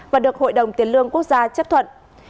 và được hội đồng tiền lương quốc gia chấp thuận